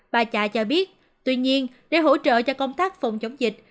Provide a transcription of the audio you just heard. bà chả cho biết tuy nhiên để hỗ trợ cho công tác phòng chống dịch